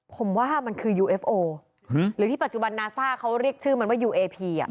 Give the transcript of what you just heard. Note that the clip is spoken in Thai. ผมว่ามันคือยูเอฟโอหรือที่ปัจจุบันนาซ่าเขาเรียกชื่อมันว่ายูเอพีอ่ะ